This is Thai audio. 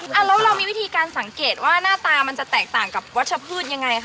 แล้วเรามีวิธีการสังเกตว่าหน้าตามันจะแตกต่างกับวัชพืชยังไงคะ